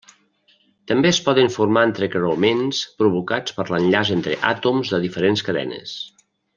També es poden formar entrecreuaments provocats per l'enllaç entre àtoms de diferents cadenes.